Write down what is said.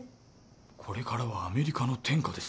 これからはアメリカの天下です